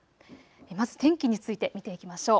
まず天気について見ていきましょう。